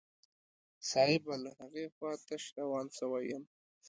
صايبه له هغې خوا تش روان سوى يم.